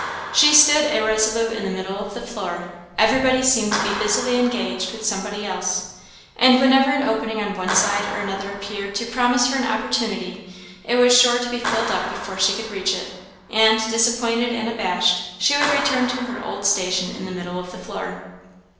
She stood irresolute in the middle of the floor. Everybody seemed to be busily engaged with somebody else; and whenever an opening on one side or another appeared to promise her an opportunity, it was sure to be filled up before she could reach it, and, disappointed and abashed, she would return to her old station in the middle of the floor.